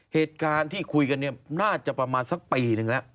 เหตุการณ์ที่คุยกันเนี่ยน่าจะประมาณสักปีนึงแล้ว